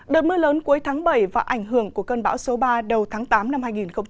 đợt mưa lớn cuối tháng bảy và ảnh hưởng của cơn bão số ba đầu tháng tám năm hai nghìn hai mươi